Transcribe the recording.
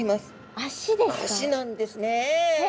足なんですねえ。